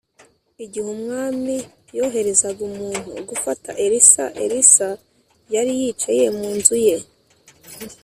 Igihe umwami yoherezaga umuntu gufata elisa elisa yari yicaye mu nzu ye